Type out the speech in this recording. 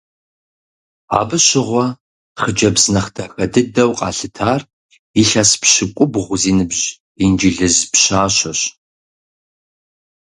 Абы щыгъуэ хъыджэбз нэхъ дахэ дыдэу къалъытар илъэс пщыкӏубгъу зи ныбжь инджылыз пщащэщ.